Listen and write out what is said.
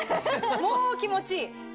もう気持ちいい。